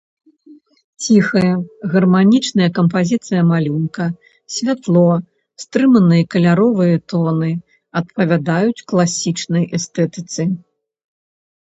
Ціхая, гарманічная кампазіцыя малюнка, святло, стрыманыя каляровыя тоны адпавядаюць класічнай эстэтыцы.